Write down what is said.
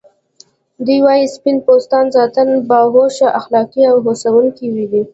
دوی وايي سپین پوستان ذاتاً باهوښ، اخلاقی او هڅونکي دي.